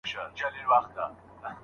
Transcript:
نورو ته اذیت او تاوان مه رسوئ.